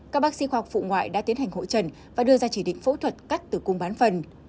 các bác sĩ khoa học phụ ngoại đã tiến hành hội trần và đưa ra chỉ định phẫu thuật cắt từ cung bán phần